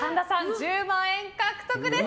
１０万円獲得です。